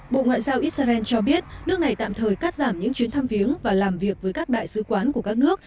bộ ngoại giao israel cho biết nước này tạm thời cắt giảm những chuyến thăm viếng và làm việc với các đại sứ quán của các nước